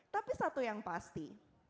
tapi satu yang pasti